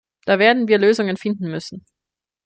Da werden wir Lösungen finden müssen.